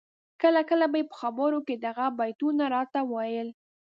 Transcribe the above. کله کله به یې په خبرو کي د هغه بیتونه راته ویل